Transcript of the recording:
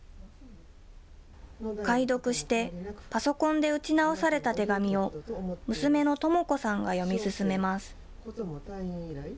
解読して、パソコンで打ち直された手紙を、娘の智子さんが読み進めます。